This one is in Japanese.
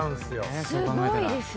すごいですよね。